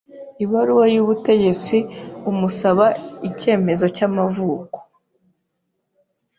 ibaruwa y’ ubutegetsi umusaba ikemezo cy’amavuko